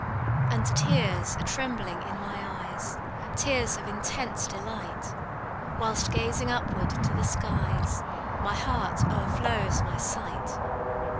"And tears are trembling in my eyes, Tears of intense delight; Whilst gazing upward to the skies, My heart o'erflows my sight.